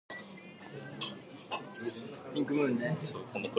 She wore the tallit.